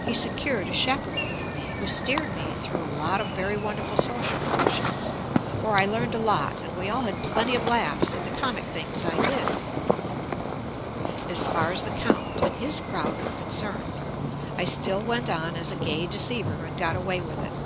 He secured a chaperone for me who steered me through a lot of very wonderful social functions, where I learned a lot and we all had plenty of laughs at the comic things I did, JUST ME As far as the Count and his crowd were con , cerned, I still went on as a gay deceiver and got away with it.